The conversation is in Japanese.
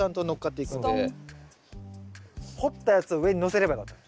掘ったやつを上にのせればよかったの。